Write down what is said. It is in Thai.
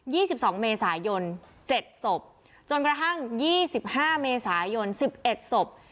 ี่สิบสองเมษายนเจ็ดศพจนกระทั่งยี่สิบห้าเมษายนสิบเอ็ดศพ